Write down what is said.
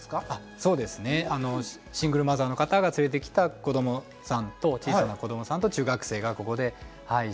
そうですねシングルマザーの方が連れてきた子どもさんと小さな子どもさんと中学生がここで一緒に遊んだりしてます。